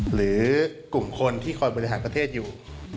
หรือกลุ่มคนที่คอยบริหารประเทศอยู่